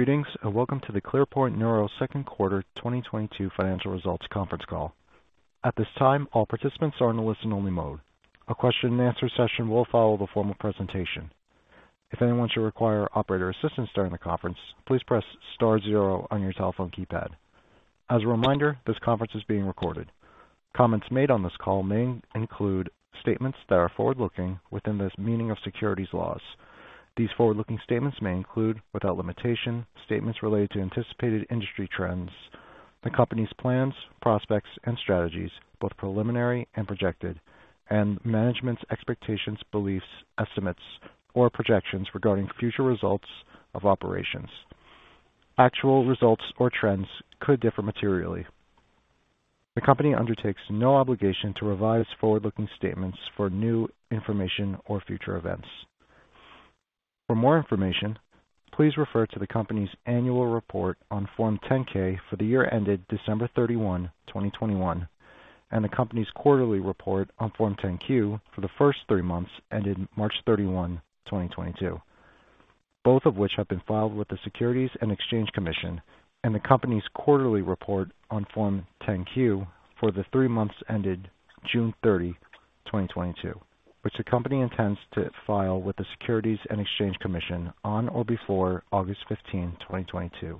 Greetings, and welcome to the ClearPoint Neuro Q2 2022 financial results conference call. At this time, all participants are in a listen-only mode. A question and answer session will follow the formal presentation. If anyone should require operator assistance during the conference, please press star zero on your telephone keypad. As a reminder, this conference is being recorded. Comments made on this call may include statements that are forward-looking within the meaning of securities laws. These forward-looking statements may include, without limitation, statements related to anticipated industry trends, the company's plans, prospects and strategies, both preliminary and projected, and management's expectations, beliefs, estimates, or projections regarding future results of operations. Actual results or trends could differ materially. The company undertakes no obligation to revise forward-looking statements for new information or future events. For more information, please refer to the company's annual report on Form 10-K for the year ended December 31, 2021, and the company's quarterly report on Form 10-Q for the first three months ended March 31, 2022, both of which have been filed with the Securities and Exchange Commission, and the company's quarterly report on Form 10-Q for the three months ended June 30, 2022, which the company intends to file with the Securities and Exchange Commission on or before August 15, 2022.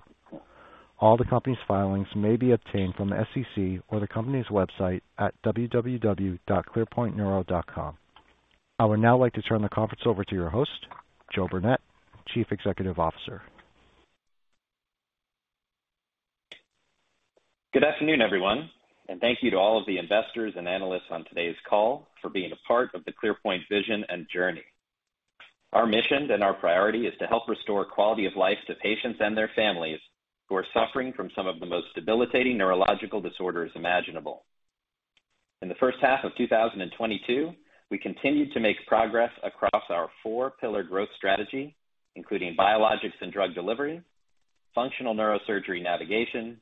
All the company's filings may be obtained from the SEC or the company's website at www.clearpointneuro.com. I would now like to turn the conference over to your host, Joe Burnett, Chief Executive Officer. Good afternoon, everyone, and thank you to all of the investors and analysts on today's call for being a part of the ClearPoint vision and journey. Our mission and our priority is to help restore quality of life to patients and their families who are suffering from some of the most debilitating neurological disorders imaginable. In the H1 of 2022, we continued to make progress across our four pillar growth strategy, including biologics and drug delivery, functional neurosurgery navigation,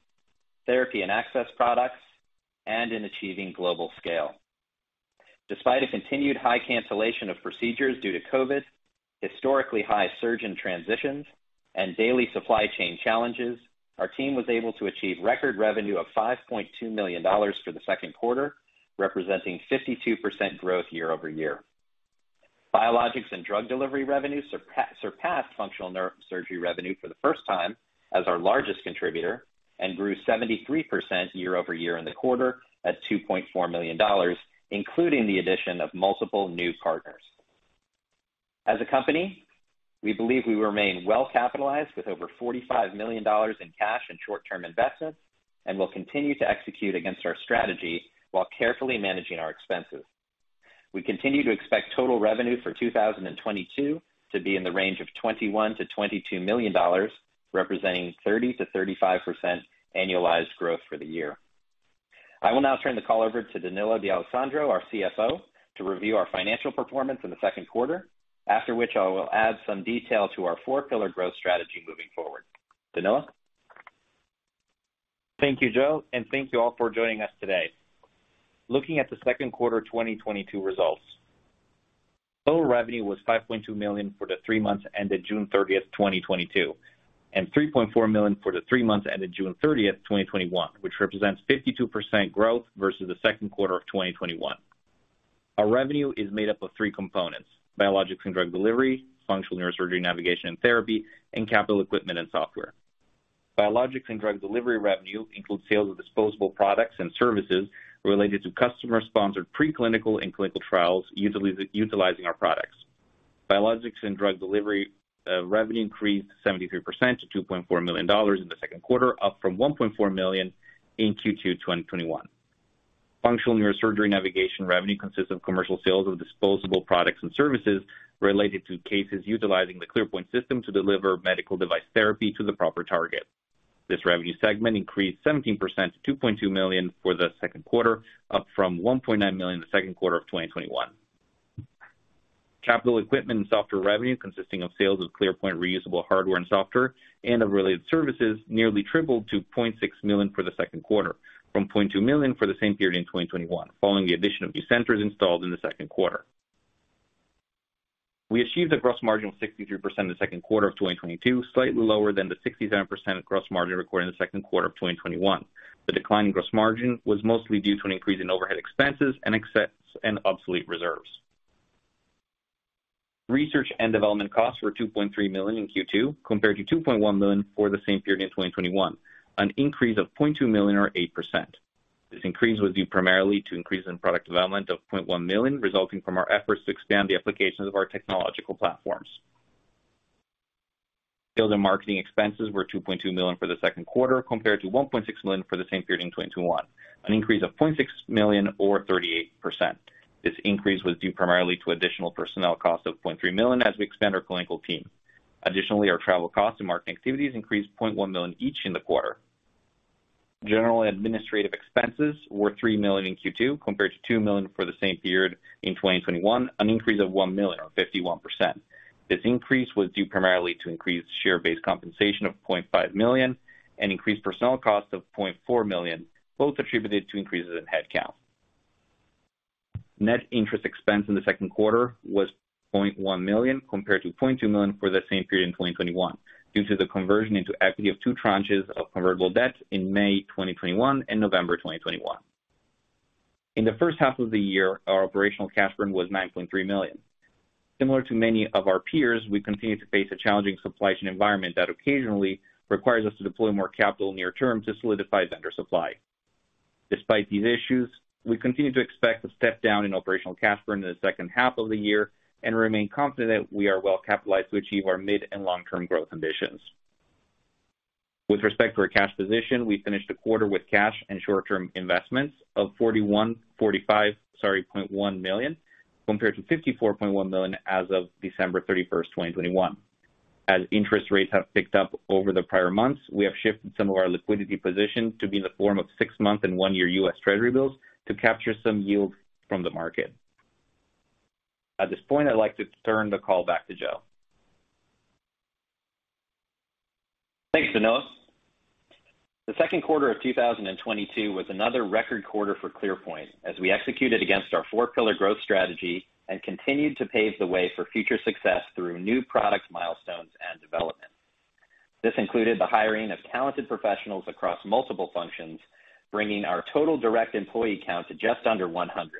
therapy and access products, and in achieving global scale. Despite a continued high cancellation of procedures due to COVID, historically high surgeon transitions and daily supply chain challenges, our team was able to achieve record revenue of $5.2 million for the Q2, representing 52% growth year-over-year. Biologics and drug delivery revenue surpassed functional neurosurgery revenue for the first time as our largest contributor and grew 73% year-over-year in the quarter at $2.4 million, including the addition of multiple new partners. As a company, we believe we remain well capitalized with over $45 million in cash and short-term investments and will continue to execute against our strategy while carefully managing our expenses. We continue to expect total revenue for 2022 to be in the range of $21 million-$22 million, representing 30%-35% annualized growth for the year. I will now turn the call over to Danilo D'Alessandro, our CFO, to review our financial performance in the Q2, after which I will add some detail to our four pillar growth strategy moving forward. Danilo? Thank you, Joe, and thank you all for joining us today. Looking at the Q2 2022 results. Total revenue was $5.2 million for the three months ended June 30th, 2022, and $3.4 million for the three months ended June 30th, 2021, which represents 52% growth versus the Q2 of 2021. Our revenue is made up of three components, biologics and drug delivery, functional neurosurgery navigation and therapy, and capital equipment and software. Biologics and drug delivery revenue includes sales of disposable products and services related to customer sponsored pre-clinical and clinical trials utilizing our products. Biologics and drug delivery revenue increased 73% to $2.4 million in the Q2, up from $1.4 million in Q2 2021. Functional neurosurgery navigation revenue consists of commercial sales of disposable products and services related to cases utilizing the ClearPoint system to deliver medical device therapy to the proper target. This revenue segment increased 17% to $2.2 million for the Q2, up from $1.9 million in the Q2 of 2021. Capital equipment and software revenue consisting of sales of ClearPoint reusable hardware and software and of related services nearly tripled to $0.6 million for the Q2 from $0.2 million for the same period in 2021, following the addition of new centers installed in the Q2. We achieved a gross margin of 63% in the Q2 of 2022, slightly lower than the 67% gross margin recorded in the Q2 of 2021. The decline in gross margin was mostly due to an increase in overhead expenses and excess and obsolete reserves. Research and development costs were $2.3 million in Q2 compared to $2.1 million for the same period in 2021, an increase of $0.2 million or 8%. This increase was due primarily to increase in product development of $0.1 million, resulting from our efforts to expand the applications of our technological platforms. Sales and marketing expenses were $2.2 million for the Q2 compared to $1.6 million for the same period in 2021, an increase of $0.6 million or 38%. This increase was due primarily to additional personnel costs of $0.3 million as we expand our clinical team. Additionally, our travel costs and marketing activities increased $0.1 million each in the quarter. General administrative expenses were $3 million in Q2 compared to $2 million for the same period in 2021, an increase of $1 million or 51%. This increase was due primarily to increased share-based compensation of $0.5 million and increased personnel costs of $0.4 million, both attributed to increases in headcount. Net interest expense in the Q2 was $0.1 million compared to $0.2 million for the same period in 2021 due to the conversion into equity of two tranches of convertible debt in May 2021 and November 2021. In the H1 of the year, our operational cash burn was $9.3 million. Similar to many of our peers, we continue to face a challenging supply chain environment that occasionally requires us to deploy more capital near-term to solidify vendor supply. Despite these issues, we continue to expect a step down in operational cash burn in the H2 of the year and remain confident we are well capitalized to achieve our mid and long-term growth ambitions. With respect to our cash position, we finished the quarter with cash and short-term investments of $45.1 million, compared to $54.1 million as of December 31st, 2021. As interest rates have picked up over the prior months, we have shifted some of our liquidity position to be in the form of six-month and one-year U.S. Treasury bills to capture some yield from the market. At this point, I'd like to turn the call back to Joe. Thanks, Danilo. The Q2 of 2022 was another record quarter for ClearPoint as we executed against our four-pillar growth strategy and continued to pave the way for future success through new product milestones and development. This included the hiring of talented professionals across multiple functions, bringing our total direct employee count to just under 100.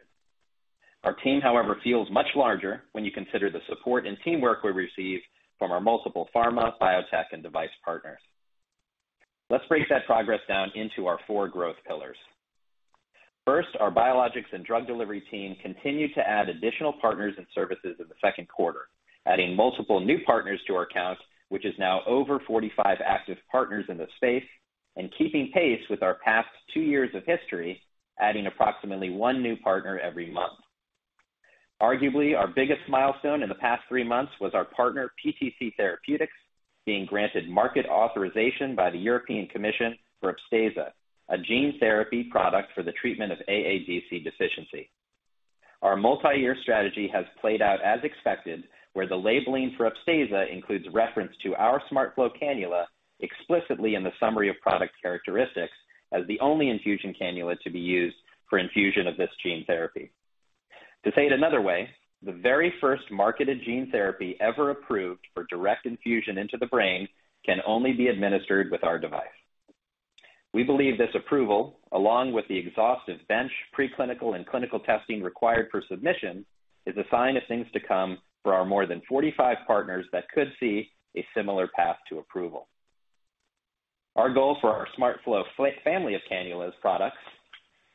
Our team, however, feels much larger when you consider the support and teamwork we receive from our multiple pharma, biotech, and device partners. Let's break that progress down into our four growth pillars. First, our biologics and drug delivery team continued to add additional partners and services in the Q2, adding multiple new partners to our count, which is now over 45 active partners in the space, and keeping pace with our past two years of history, adding approximately one new partner every month. Arguably, our biggest milestone in the past three months was our partner PTC Therapeutics being granted market authorization by the European Commission for Upstaza, a gene therapy product for the treatment of AADC deficiency. Our multi-year strategy has played out as expected, where the labeling for Upstaza includes reference to our SmartFlow cannula explicitly in the summary of product characteristics as the only infusion cannula to be used for infusion of this gene therapy. To say it another way, the very first marketed gene therapy ever approved for direct infusion into the brain can only be administered with our device. We believe this approval, along with the exhaustive bench pre-clinical and clinical testing required for submission, is a sign of things to come for our more than 45 partners that could see a similar path to approval. Our goal for our SmartFlow family of cannulas products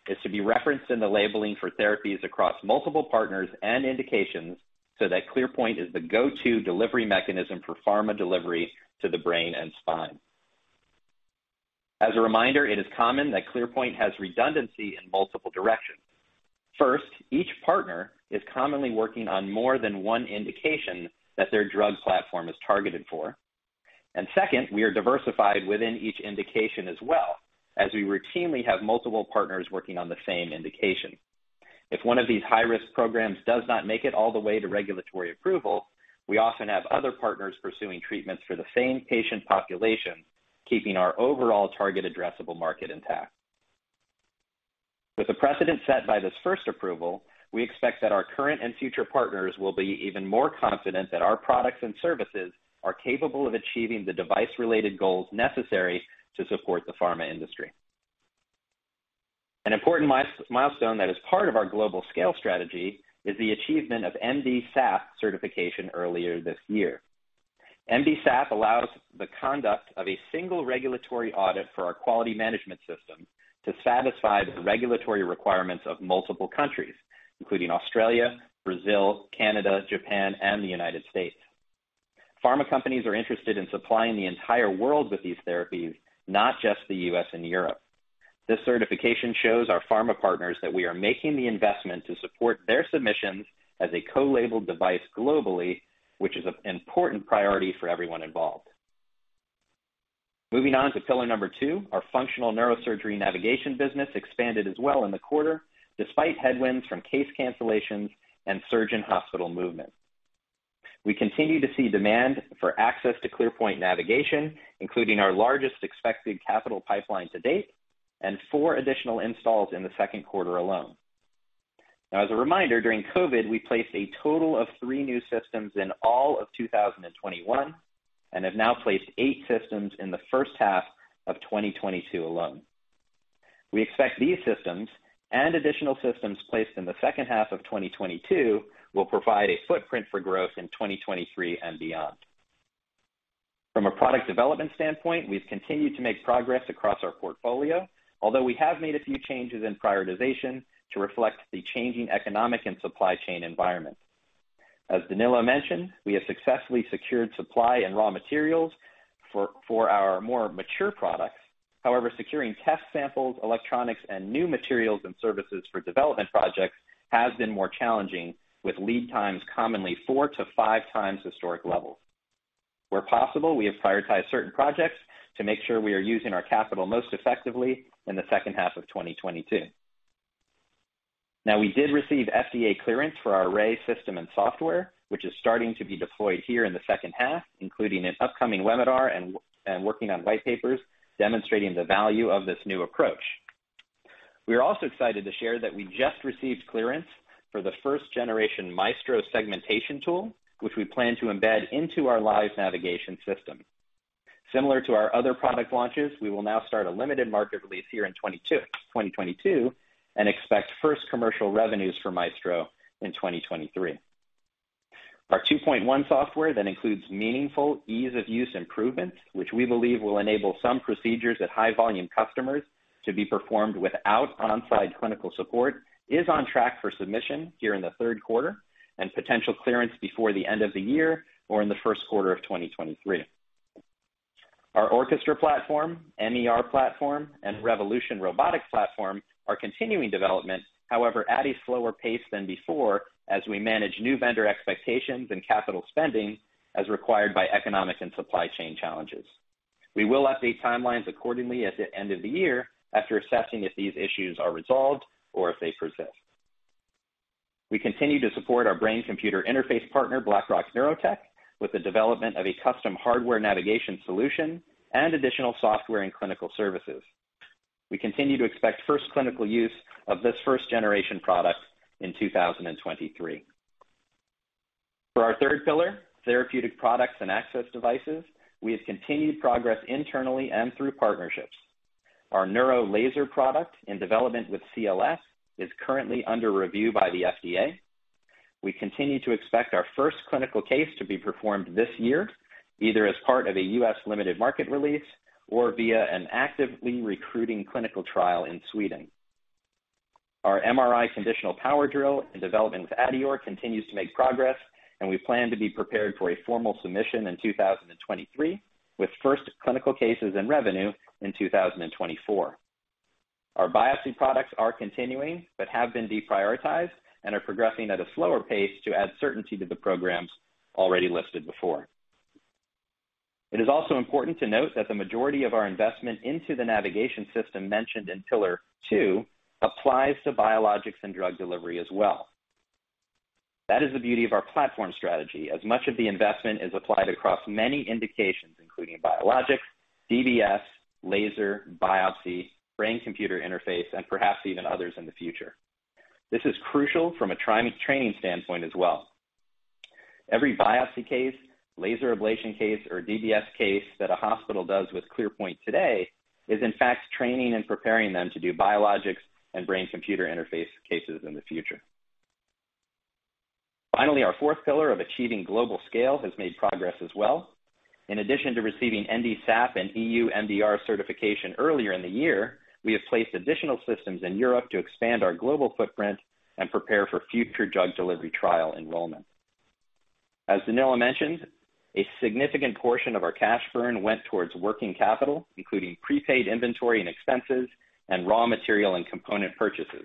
is to be referenced in the labeling for therapies across multiple partners and indications so that ClearPoint is the go-to delivery mechanism for pharma delivery to the brain and spine. As a reminder, it is common that ClearPoint has redundancy in multiple directions. First, each partner is commonly working on more than one indication that their drug platform is targeted for. Second, we are diversified within each indication as well, as we routinely have multiple partners working on the same indication. If one of these high-risk programs does not make it all the way to regulatory approval, we often have other partners pursuing treatments for the same patient population, keeping our overall target addressable market intact. With the precedent set by this first approval, we expect that our current and future partners will be even more confident that our products and services are capable of achieving the device-related goals necessary to support the pharma industry. An important milestone that is part of our global scale strategy is the achievement of MDSAP certification earlier this year. MDSAP allows the conduct of a single regulatory audit for our quality management system to satisfy the regulatory requirements of multiple countries, including Australia, Brazil, Canada, Japan, and the United States. Pharma companies are interested in supplying the entire world with these therapies, not just the U.S. and Europe. This certification shows our pharma partners that we are making the investment to support their submissions as a co-labeled device globally, which is an important priority for everyone involved. Moving on to pillar number two, our functional neurosurgery navigation business expanded as well in the quarter despite headwinds from case cancellations and surgeon hospital movement. We continue to see demand for access to ClearPoint navigation, including our largest expected capital pipeline to date and four additional installs in the Q2 alone. Now, as a reminder, during COVID, we placed a total of three new systems in all of 2021 and have now placed 8 systems in the H1 of 2022 alone. We expect these systems and additional systems placed in the H2 of 2022 will provide a footprint for growth in 2023 and beyond. From a product development standpoint, we've continued to make progress across our portfolio, although we have made a few changes in prioritization to reflect the changing economic and supply chain environment. As Danilo mentioned, we have successfully secured supply and raw materials for our more mature products. However, securing test samples, electronics, and new materials and services for development projects has been more challenging, with lead times commonly 4x-5x historic levels. Where possible, we have prioritized certain projects to make sure we are using our capital most effectively in the H2 of 2022. Now, we did receive FDA clearance for our Array system and software, which is starting to be deployed here in the H2, including an upcoming webinar and working on white papers demonstrating the value of this new approach. We are also excited to share that we just received clearance for the first generation Maestro segmentation tool, which we plan to embed into our live navigation system. Similar to our other product launches, we will now start a limited market release here in 2022, and expect first commercial revenues for Maestro in 2023. Our 2.1 software that includes meaningful ease of use improvements, which we believe will enable some procedures at high volume customers to be performed without on-site clinical support, is on track for submission here in the Q3 and potential clearance before the end of the year or in the Q1 of 2023. Our Orchestra platform, MER platform, and Revolution robotics platform are continuing development, however, at a slower pace than before as we manage new vendor expectations and capital spending as required by economic and supply chain challenges. We will update timelines accordingly at the end of the year after assessing if these issues are resolved or if they persist. We continue to support our brain computer interface partner, Blackrock Neurotech, with the development of a custom hardware navigation solution and additional software and clinical services. We continue to expect first clinical use of this first generation product in 2023. For our third pillar, therapeutic products and access devices, we have continued progress internally and through partnerships. Our neuro laser product in development with CLS is currently under review by the FDA. We continue to expect our first clinical case to be performed this year, either as part of a U.S. limited market release or via an actively recruiting clinical trial in Sweden. Our MRI conditional power drill in development with adeor continues to make progress, and we plan to be prepared for a formal submission in 2023, with first clinical cases and revenue in 2024. Our biopsy products are continuing but have been deprioritized and are progressing at a slower pace to add certainty to the programs already listed before. It is also important to note that the majority of our investment into the navigation system mentioned in pillar two applies to biologics and drug delivery as well. That is the beauty of our platform strategy, as much of the investment is applied across many indications, including biologics, DBS, laser, biopsy, brain computer interface, and perhaps even others in the future. This is crucial from a tri-training standpoint as well. Every biopsy case, laser ablation case, or DBS case that a hospital does with ClearPoint today is in fact training and preparing them to do biologics and brain computer interface cases in the future. Finally, our fourth pillar of achieving global scale has made progress as well. In addition to receiving MDSAP and EU MDR certification earlier in the year, we have placed additional systems in Europe to expand our global footprint and prepare for future drug delivery trial enrollment. As Danilo mentioned, a significant portion of our cash burn went towards working capital, including prepaid inventory and expenses and raw material and component purchases.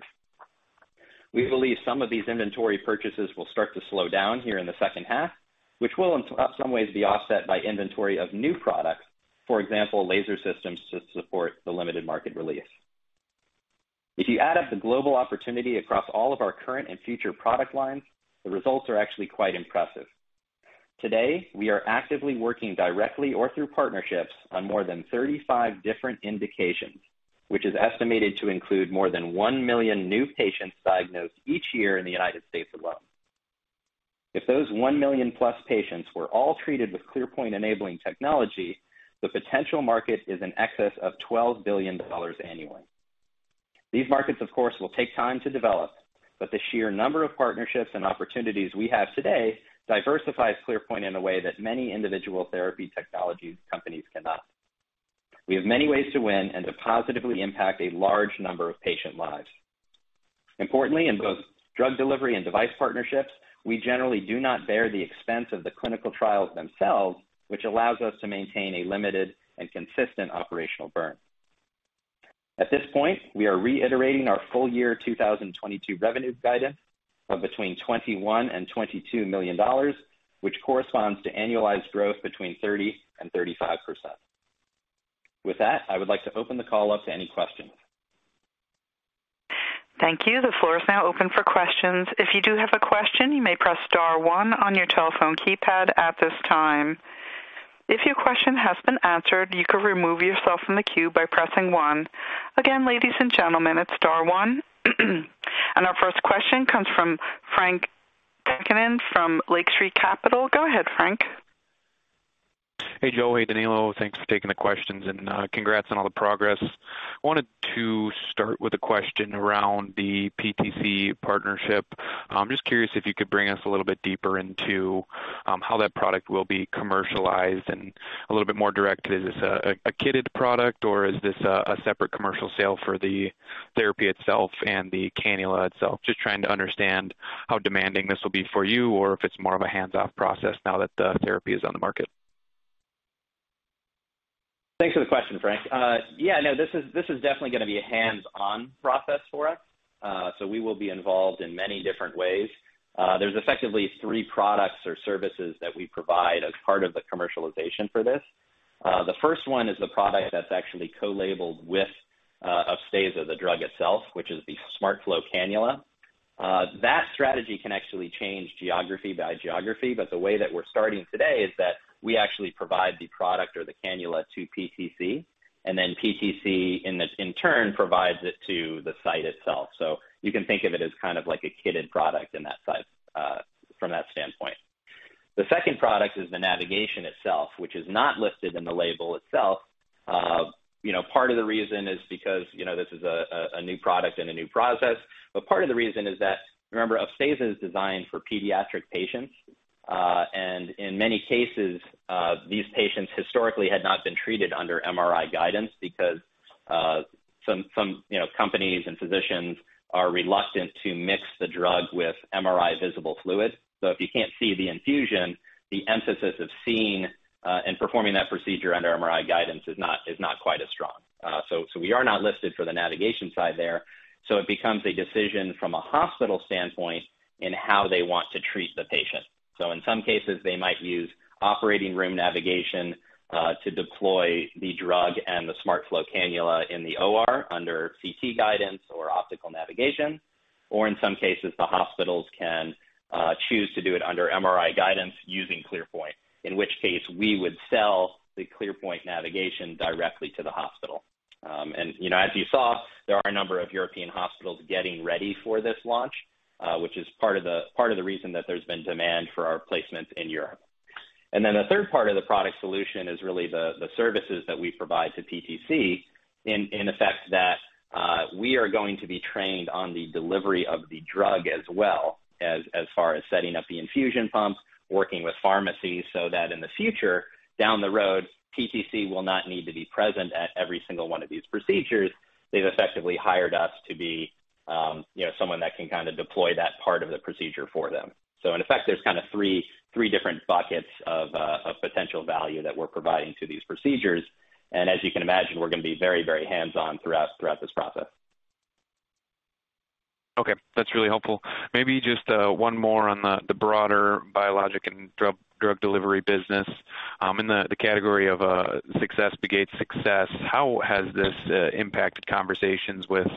We believe some of these inventory purchases will start to slow down here in the H2, which will in some ways be offset by inventory of new products, for example, laser systems to support the limited market release. If you add up the global opportunity across all of our current and future product lines, the results are actually quite impressive. Today, we are actively working directly or through partnerships on more than 35 different indications, which is estimated to include more than 1 million new patients diagnosed each year in the United States alone. If those 1 million plus patients were all treated with ClearPoint enabling technology, the potential market is in excess of $12 billion annually. These markets, of course, will take time to develop, but the sheer number of partnerships and opportunities we have today diversifies ClearPoint in a way that many individual therapy technology companies cannot. We have many ways to win and to positively impact a large number of patient lives. Importantly, in both drug delivery and device partnerships, we generally do not bear the expense of the clinical trials themselves, which allows us to maintain a limited and consistent operational burn. At this point, we are reiterating our full year 2022 revenue guidance of between $21 million and $22 million, which corresponds to annualized growth between 30% and 35%. With that, I would like to open the call up to any questions. Thank you. The floor is now open for questions. If you do have a question, you may press star one on your telephone keypad at this time. If your question has been answered, you can remove yourself from the queue by pressing one. Again, ladies and gentlemen, it's star one. Our first question comes from Frank Takkinen from Lake Street Capital. Go ahead, Frank. Hey, Joe. Hey, Danilo. Thanks for taking the questions and congrats on all the progress. I wanted to start with a question around the PTC partnership. I'm just curious if you could bring us a little bit deeper into how that product will be commercialized and a little bit more direct. Is this a kitted product or is this a separate commercial sale for the therapy itself and the cannula itself? Just trying to understand how demanding this will be for you or if it's more of a hands-off process now that the therapy is on the market. Thanks for the question, Frank. Yeah, no, this is definitely going to be a hands-on process for us. We will be involved in many different ways. There's effectively three products or services that we provide as part of the commercialization for this. The first one is the product that's actually co-labeled with Upstaza, the drug itself, which is the SmartFlow cannula. That strategy can actually change geography by geography. The way that we're starting today is that we actually provide the product or the cannula to PTC, and then PTC in turn provides it to the site itself. You can think of it as kind of like a kitted product in that site from that standpoint. The second product is the navigation itself, which is not listed in the label itself. You know, part of the reason is because you know this is a new product and a new process. Part of the reason is that, remember, Upstaza is designed for pediatric patients. In many cases, these patients historically had not been treated under MRI guidance because some you know companies and physicians are reluctant to mix the drug with MRI-visible fluid. If you can't see the infusion, the emphasis of seeing and performing that procedure under MRI guidance is not quite as strong. We are not listed for the navigation side there. It becomes a decision from a hospital standpoint in how they want to treat the patient. In some cases, they might use operating room navigation to deploy the drug and the SmartFlow cannula in the OR under CT guidance or optical navigation. In some cases, the hospitals can choose to do it under MRI guidance using ClearPoint, in which case we would sell the ClearPoint navigation directly to the hospital. You know, as you saw, there are a number of European hospitals getting ready for this launch, which is part of the reason that there's been demand for our placements in Europe. The third part of the product solution is really the services that we provide to PTC in effect, that we are going to be trained on the delivery of the drug as well as far as setting up the infusion pumps, working with pharmacies so that in the future, down the road, PTC will not need to be present at every single one of these procedures. They've effectively hired us to be, you know, someone that can kinda deploy that part of the procedure for them. In effect, there's kinda three different buckets of potential value that we're providing to these procedures. As you can imagine, we're gonna be very, very hands-on throughout this process. Okay, that's really helpful. Maybe just one more on the broader biologic and drug delivery business. In the category of success begets success, how has this impacted conversations with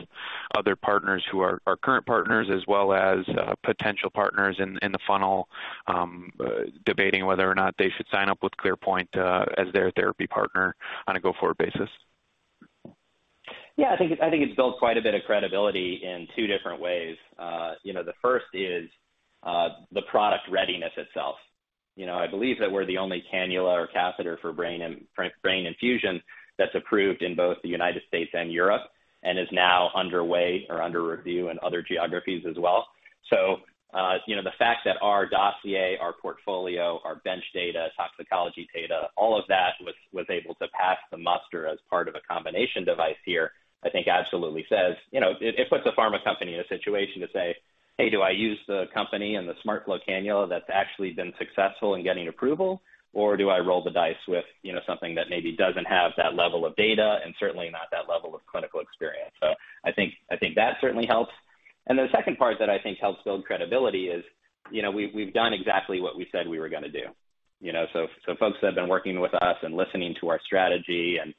other partners who are current partners as well as potential partners in the funnel debating whether or not they should sign up with ClearPoint as their therapy partner on a go-forward basis? Yeah, I think it's built quite a bit of credibility in two different ways. You know, the first is the product readiness itself. You know, I believe that we're the only cannula or catheter for brain infusion that's approved in both the United States and Europe, and is now underway or under review in other geographies as well. You know, the fact that our dossier, our portfolio, our bench data, toxicology data, all of that was able to pass the muster as part of a combination device here, I think absolutely says. You know, it puts the pharma company in a situation to say, "Hey, do I use the company and the SmartFlow cannula that's actually been successful in getting approval? do I roll the dice with, you know, something that maybe doesn't have that level of data and certainly not that level of clinical experience? I think that certainly helps. The second part that I think helps build credibility is, you know, we've done exactly what we said we were gonna do, you know? Folks that have been working with us and listening to our strategy and,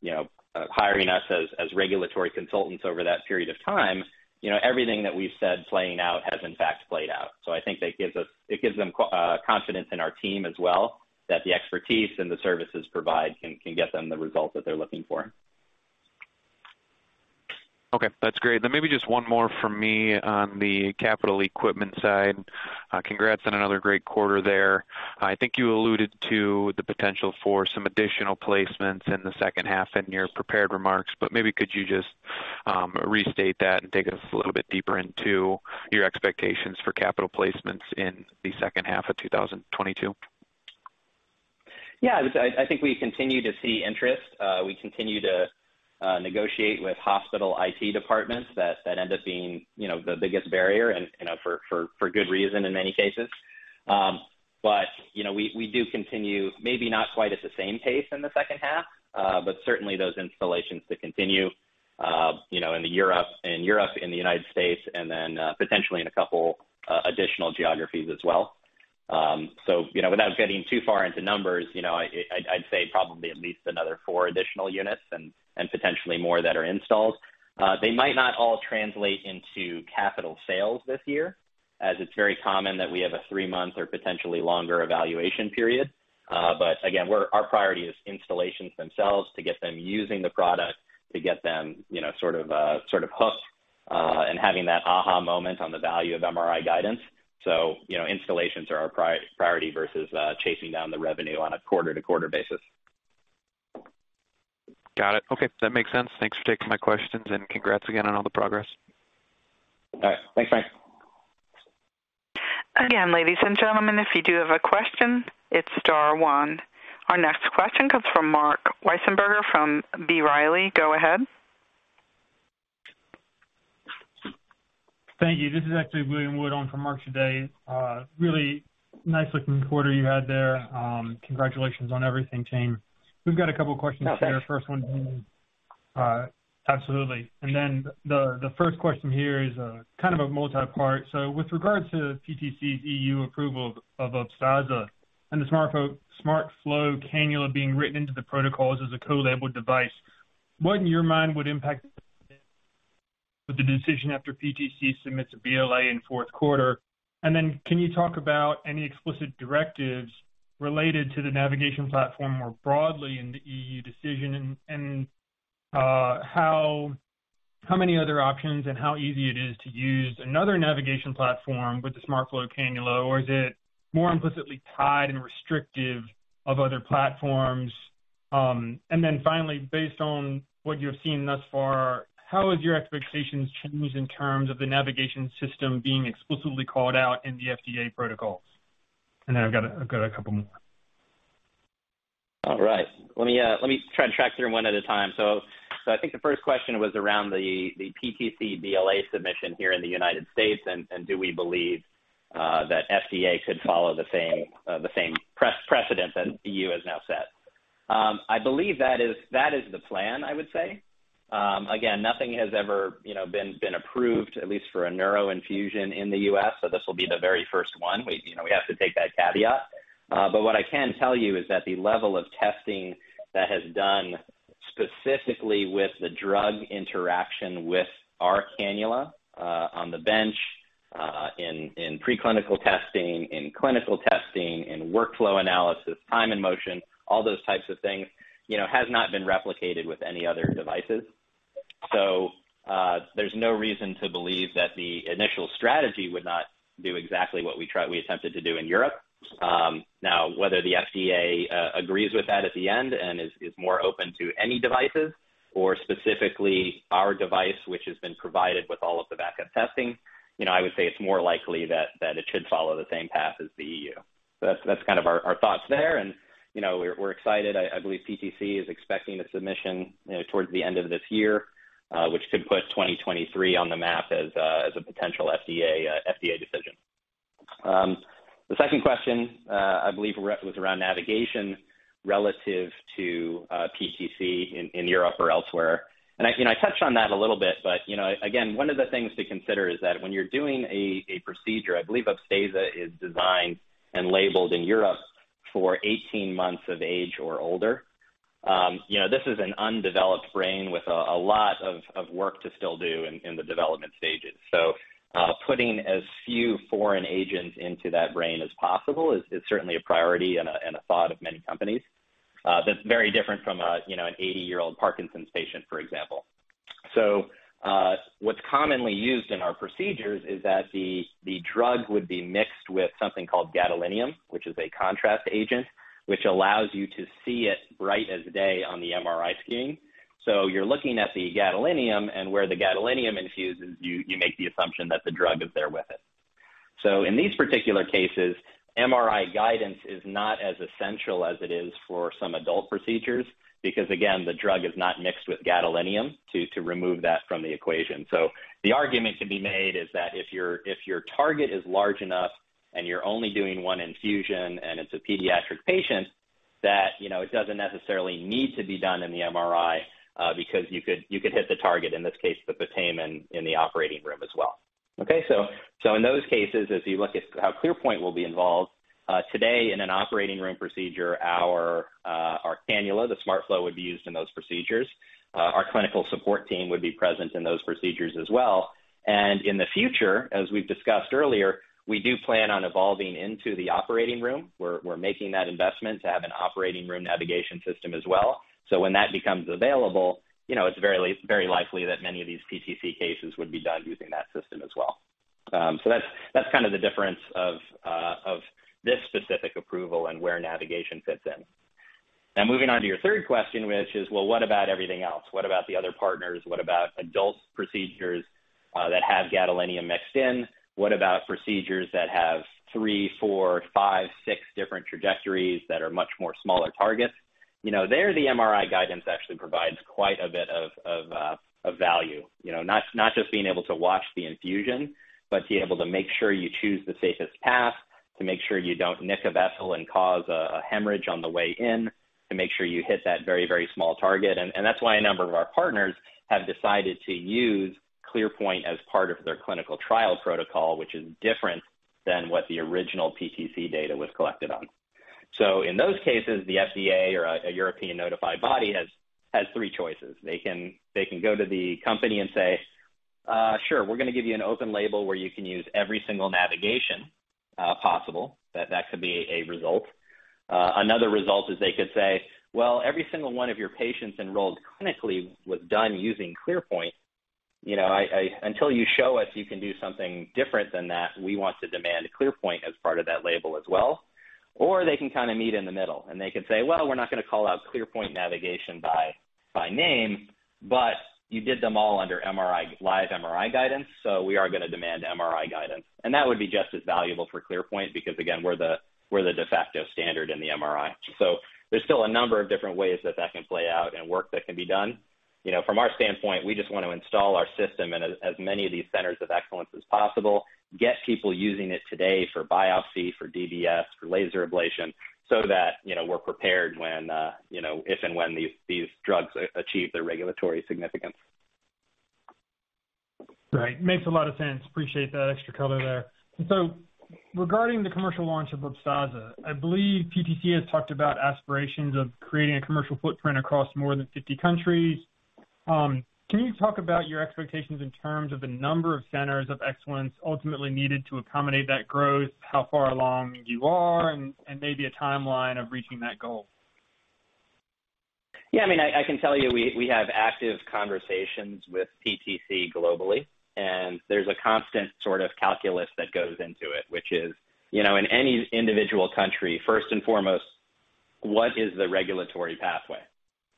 you know, hiring us as regulatory consultants over that period of time, you know, everything that we've said playing out has in fact played out. I think it gives them confidence in our team as well, that the expertise and the services provide can get them the results that they're looking for. Okay, that's great. Maybe just one more from me on the capital equipment side. Congrats on another great quarter there. I think you alluded to the potential for some additional placements in the H2 in your prepared remarks, but maybe could you just restate that and take us a little bit deeper into your expectations for capital placements in the H2 of 2022? Yeah. I think we continue to see interest. We continue to negotiate with hospital IT departments that end up being, you know, the biggest barrier and, you know, for good reason in many cases. You know, we do continue, maybe not quite at the same pace in the H2, but certainly those installations that continue, you know, in Europe, in the United States, and then potentially in a couple additional geographies as well. So, you know, without getting too far into numbers, you know, I'd say probably at least another four additional units and potentially more that are installed. They might not all translate into capital sales this year, as it's very common that we have a three-month or potentially longer evaluation period. Our priority is installations themselves to get them using the product, to get them, you know, sort of hooked, and having that aha moment on the value of MRI guidance. You know, installations are our priority versus chasing down the revenue on a quarter-to-quarter basis. Got it. Okay, that makes sense. Thanks for taking my questions, and congrats again on all the progress. All right. Thanks, Frank. Again, ladies and gentlemen, if you do have a question, it's star one. Our next question comes from Marc Wiesenberger from B. Riley. Go ahead. Thank you. This is actually William Wood on for Marc Wiesenberger today. Really nice looking quarter you had there. Congratulations on everything, team. We've got a couple questions here. Oh, thanks. First one. Absolutely. Then the first question here is kind of a multi-part. With regard to PTC's EU approval of Upstaza and the SmartFlow cannula being written into the protocols as a co-labeled device. What in your mind would impact the decision after PTC submits a BLA in Q4? Can you talk about any explicit directives related to the navigation platform more broadly in the EU decision and how many other options and how easy it is to use another navigation platform with the SmartFlow cannula? Or is it more implicitly tied and restrictive of other platforms? Finally, based on what you've seen thus far, how have your expectations changed in terms of the navigation system being explicitly called out in the FDA protocols? I've got a couple more. All right. Let me try and track through one at a time. I think the first question was around the PTC BLA submission here in the United States, and do we believe that FDA could follow the same precedent that EU has now set. I believe that is the plan, I would say. Again, nothing has ever, you know, been approved, at least for a neuro infusion in the U.S., so this will be the very first one. We, you know, have to take that caveat. What I can tell you is that the level of testing that has done specifically with the drug interaction with our cannula, on the bench, in preclinical testing, in clinical testing, in workflow analysis, time and motion, all those types of things, you know, has not been replicated with any other devices. There's no reason to believe that the initial strategy would not do exactly what we attempted to do in Europe. Now, whether the FDA agrees with that at the end and is more open to any devices or specifically our device, which has been provided with all of the backup testing, you know, I would say it's more likely that it should follow the same path as the EU. That's kind of our thoughts there. You know, we're excited. I believe PTC is expecting a submission, you know, towards the end of this year, which could put 2023 on the map as a potential FDA decision. The second question, I believe was around navigation relative to PTC in Europe or elsewhere. You know, I touched on that a little bit, but, you know, again, one of the things to consider is that when you're doing a procedure, I believe Upstaza is designed and labeled in Europe for 18 months of age or older. You know, this is an undeveloped brain with a lot of work to still do in the development stages. Putting as few foreign agents into that brain as possible is certainly a priority and a thought of many companies. That's very different from a, you know, an 80-year-old Parkinson's patient, for example. What's commonly used in our procedures is that the drug would be mixed with something called gadolinium, which is a contrast agent, which allows you to see it bright as day on the MRI scanning. You're looking at the gadolinium, and where the gadolinium infuses, you make the assumption that the drug is there with it. In these particular cases, MRI guidance is not as essential as it is for some adult procedures because, again, the drug is not mixed with gadolinium to remove that from the equation. The argument to be made is that if your target is large enough and you're only doing one infusion and it's a pediatric patient, you know, it doesn't necessarily need to be done in the MRI, because you could hit the target, in this case with the SmartFrame in the operating room as well. Okay. In those cases, as you look at how ClearPoint will be involved today in an operating room procedure, our cannula, the SmartFlow, would be used in those procedures. Our clinical support team would be present in those procedures as well. In the future, as we've discussed earlier, we do plan on evolving into the operating room. We're making that investment to have an operating room navigation system as well. When that becomes available, you know, it's very likely that many of these PTC cases would be done using that system as well. That's kind of the difference of this specific approval and where navigation fits in. Now, moving on to your third question, which is, well, what about everything else? What about the other partners? What about adult procedures that have gadolinium mixed in? What about procedures that have three, four, five, six different trajectories that are much more smaller targets? You know, there, the MRI guidance actually provides quite a bit of value. You know, not just being able to watch the infusion, but being able to make sure you choose the safest path, to make sure you don't nick a vessel and cause a hemorrhage on the way in, to make sure you hit that very, very small target. That's why a number of our partners have decided to use ClearPoint as part of their clinical trial protocol, which is different than what the original PTC data was collected on. In those cases, the FDA or a European notified body has three choices. They can go to the company and say, "Sure, we're gonna give you an open label where you can use every single navigation possible." That could be a result. Another result is they could say, "Well, every single one of your patients enrolled clinically was done using ClearPoint. You know, I until you show us you can do something different than that, we want to demand ClearPoint as part of that label as well." They can kind of meet in the middle, and they can say, "Well, we're not gonna call out ClearPoint navigation by name, but you did them all under MRI live MRI guidance, so we are gonna demand MRI guidance." That would be just as valuable for ClearPoint because, again, we're the de facto standard in the MRI. There's still a number of different ways that that can play out and work that can be done. You know, from our standpoint, we just want to install our system in as many of these centers of excellence as possible, get people using it today for biopsy, for DBS, for laser ablation, so that, you know, we're prepared when, you know, if and when these drugs achieve their regulatory significance. Right. Makes a lot of sense. Appreciate that extra color there. Regarding the commercial launch of Upstaza, I believe PTC has talked about aspirations of creating a commercial footprint across more than 50 countries. Can you talk about your expectations in terms of the number of centers of excellence ultimately needed to accommodate that growth, how far along you are and maybe a timeline of reaching that goal? Yeah, I mean, I can tell you we have active conversations with PTC globally, and there's a constant sort of calculus that goes into it, which is, you know, in any individual country, first and foremost, what is the regulatory pathway?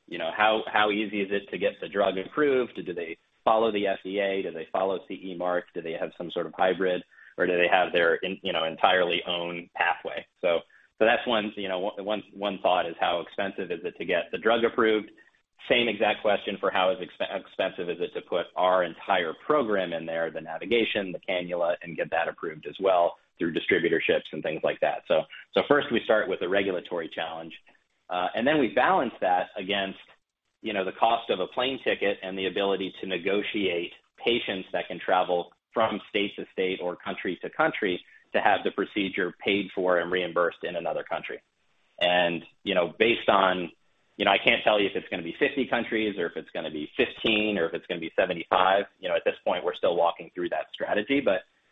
You know, how easy is it to get the drug approved? Do they follow the FDA? Do they follow CE Mark? Do they have some sort of hybrid, or do they have their entirely own pathway? So that's one, you know, one thought is how expensive is it to get the drug approved. Same exact question for how expensive is it to put our entire program in there, the navigation, the cannula, and get that approved as well through distributorships and things like that. First we start with the regulatory challenge, and then we balance that against, you know, the cost of a plane ticket and the ability to negotiate patients that can travel from state to state or country to country to have the procedure paid for and reimbursed in another country. You know, I can't tell you if it's gonna be 50 countries or if it's gonna be 15 or if it's gonna be 75. You know, at this point, we're still walking through that strategy.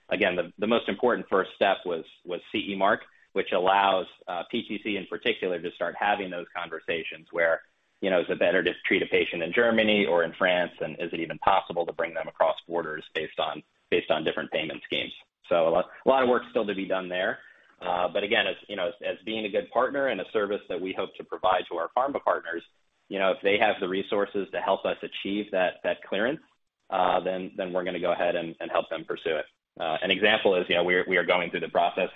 Again, the most important first step was CE Mark, which allows PTC in particular to start having those conversations where, you know, is it better to treat a patient in Germany or in France, and is it even possible to bring them across borders based on different payment schemes. A lot of work still to be done there. Again, as you know, as being a good partner and a service that we hope to provide to our pharma partners, you know, if they have the resources to help us achieve that clearance, then we're gonna go ahead and help them pursue it. An example is, you know, we are going through the process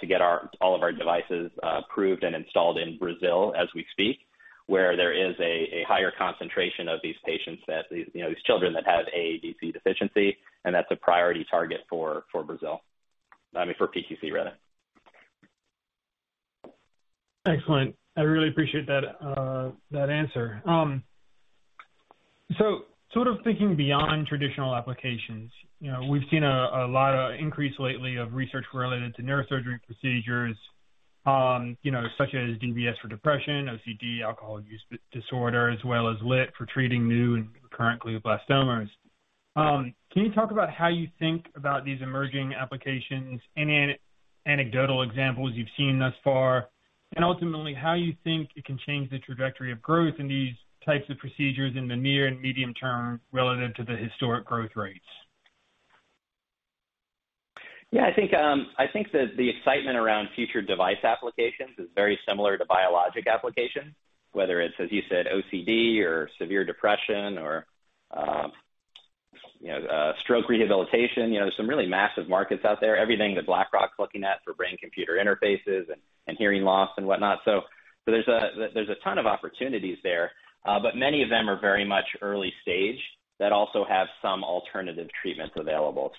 to get all of our devices approved and installed in Brazil as we speak, where there is a higher concentration of these patients that, you know, these children that have AADC deficiency, and that's a priority target for Brazil. I mean, for PTC rather. Excellent. I really appreciate that answer. Sort of thinking beyond traditional applications, you know, we've seen a lot of increase lately of research related to neurosurgery procedures, you know, such as DBS for depression, OCD, alcohol use disorder, as well as LITT for treating new and recurrent glioblastomas. Can you talk about how you think about these emerging applications, any anecdotal examples you've seen thus far, and ultimately how you think it can change the trajectory of growth in these types of procedures in the near and medium term relative to the historic growth rates? Yeah, I think that the excitement around future device applications is very similar to biologic applications, whether it's, as you said, OCD or severe depression or, you know, stroke rehabilitation. You know, there's some really massive markets out there. Everything that Blackrock's looking at for brain-computer interfaces and hearing loss and whatnot. There's a ton of opportunities there, but many of them are very much early stage that also have some alternative treatments available.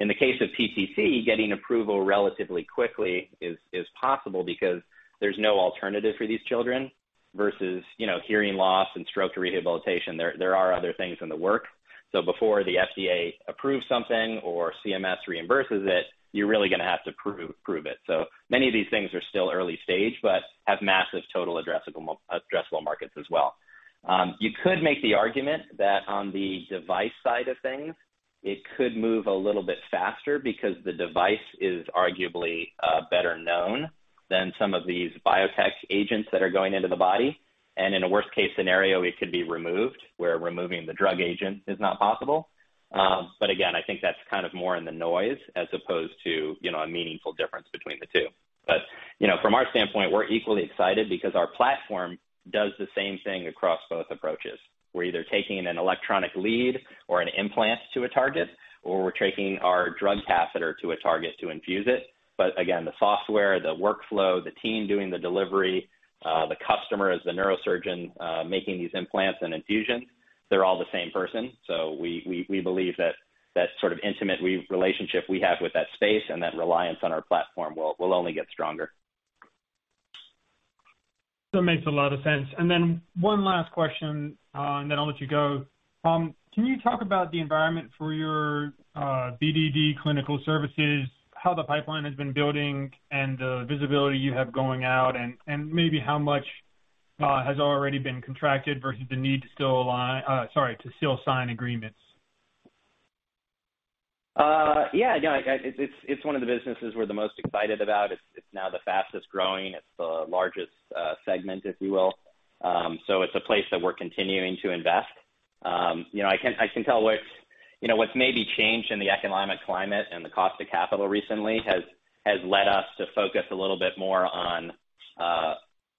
In the case of PTC, getting approval relatively quickly is possible because there's no alternative for these children versus, you know, hearing loss and stroke rehabilitation. There are other things in the works. Before the FDA approves something or CMS reimburses it, you're really gonna have to prove it. Many of these things are still early stage but have massive total addressable markets as well. You could make the argument that on the device side of things, it could move a little bit faster because the device is arguably better known than some of these biotech agents that are going into the body. In a worst case scenario, it could be removed, where removing the drug agent is not possible. But again, I think that's kind of more in the noise as opposed to a meaningful difference between the two. You know, from our standpoint, we're equally excited because our platform does the same thing across both approaches. We're either taking an electronic lead or an implant to a target, or we're taking our drug catheter to a target to infuse it. Again, the software, the workflow, the team doing the delivery, the customers, the neurosurgeons, making these implants and infusions, they're all the same person. We believe that that sort of intimate relationship we have with that space and that reliance on our platform will only get stronger. That makes a lot of sense. One last question, and then I'll let you go. Can you talk about the environment for your CED clinical services, how the pipeline has been building and the visibility you have going out and maybe how much has already been contracted versus the need to still sign agreements? Yeah, no, it's one of the businesses we're the most excited about. It's now the fastest-growing. It's the largest segment, if you will. It's a place that we're continuing to invest. You know, I can tell what's maybe changed in the economic climate and the cost of capital recently has led us to focus a little bit more on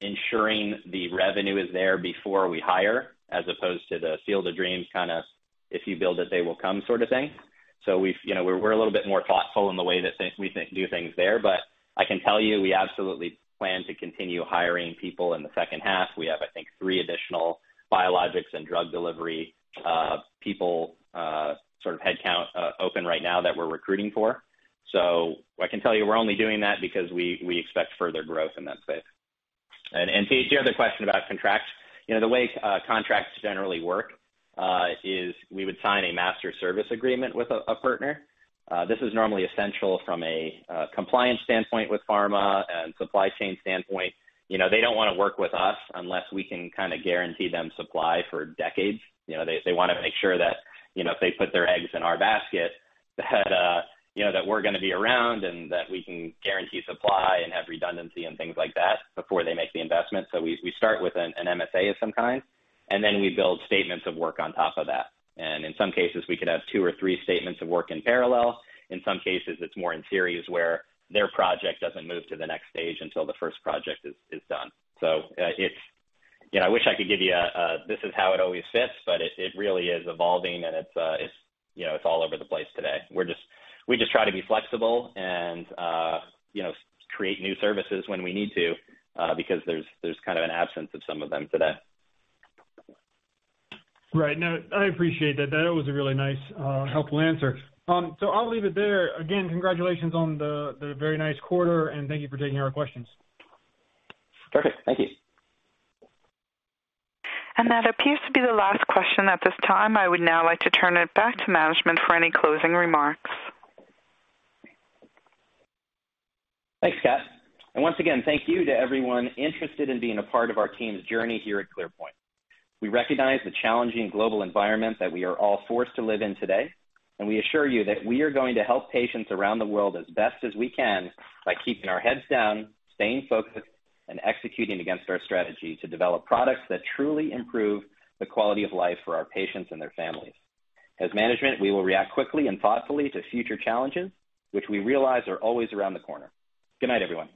ensuring the revenue is there before we hire, as opposed to the field of dreams kind of, if you build it, they will come sort of thing. We've you know we're a little bit more thoughtful in the way that we do things there. I can tell you we absolutely plan to continue hiring people in the H2. We have, I think, three additional biologics and drug delivery, people, sort of headcount, open right now that we're recruiting for. I can tell you we're only doing that because we expect further growth in that space. To your other question about contracts, you know, the way, contracts generally work, is we would sign a master service agreement with a partner. This is normally essential from a compliance standpoint with pharma and supply chain standpoint. You know, they don't wanna work with us unless we can kinda guarantee them supply for decades. You know, they wanna make sure that, you know, if they put their eggs in our basket that, you know, that we're gonna be around and that we can guarantee supply and have redundancy and things like that before they make the investment. We start with an MSA of some kind, and then we build statements of work on top of that. In some cases, we could have two or three statements of work in parallel. In some cases, it's more in series where their project doesn't move to the next stage until the first project is done. You know, I wish I could give you this is how it always fits, but it really is evolving and it's you know, it's all over the place today. We're just We just try to be flexible and you know, create new services when we need to because there's kind of an absence of some of them today. Right. No, I appreciate that. That was a really nice, helpful answer. So I'll leave it there. Again, congratulations on the very nice quarter, and thank you for taking our questions. Perfect. Thank you. That appears to be the last question. At this time, I would now like to turn it back to management for any closing remarks. Thanks, Scott. Once again, thank you to everyone interested in being a part of our team's journey here at ClearPoint. We recognize the challenging global environment that we are all forced to live in today, and we assure you that we are going to help patients around the world as best as we can by keeping our heads down, staying focused, and executing against our strategy to develop products that truly improve the quality of life for our patients and their families. As management, we will react quickly and thoughtfully to future challenges, which we realize are always around the corner. Good night, everyone.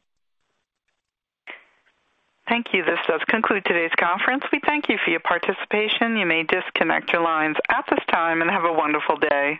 Thank you. This does conclude today's conference. We thank you for your participation. You may disconnect your lines at this time, and have a wonderful day.